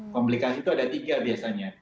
komplikasi itu ada tiga biasanya